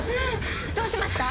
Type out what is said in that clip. どうしました？